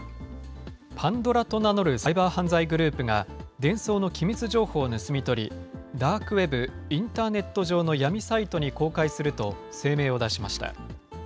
Ｐａｎｄｏｒａと名乗るサイバー犯罪グループがデンソーの機密情報を盗み取り、ダークウェブ・インターネット上の闇サイトに公開すると声明を出しました。